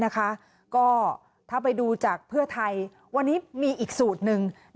ก็ถ้าไปดูจากเพื่อไทยวันนี้มีอีกสูตรหนึ่ง